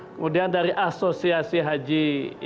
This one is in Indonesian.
kemudian dari asosiasi haji